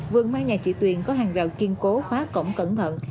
vườn mai nhà chị tuyền có hàng rào kiên cố phá cổng cẩn thận